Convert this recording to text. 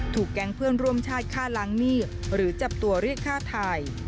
แก๊งเพื่อนร่วมชาติฆ่าล้างหนี้หรือจับตัวเรียกฆ่าไทย